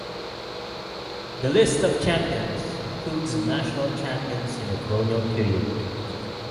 The list of champions includes the national champions in the colonial period.